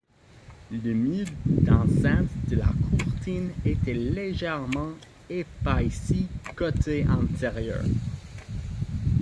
Le mur d'enceinte de la courtine était légèrement épaissi côté intérieur.